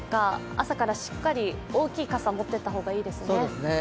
朝からしっかり大きい傘持ってった方がいいですね。